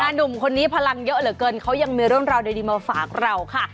หนุ่มคนนี้พลังเยอะเหลือเกินเขายังมีเรื่องราวดีมาฝากเราค่ะ